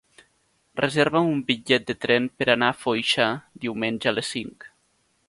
Reserva'm un bitllet de tren per anar a Foixà diumenge a les cinc.